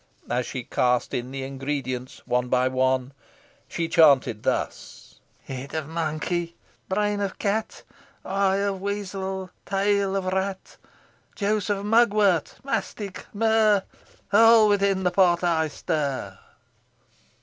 As she cast in the ingredients one by one, she chanted thus: "Head of monkey, brain of cat, Eye of weasel, tail of rat, Juice of mugwort, mastic, myrrh All within the pot I stir."